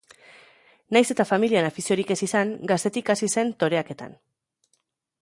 Nahiz eta familian afiziorik ez izan, gaztetik hasi zen toreaketan.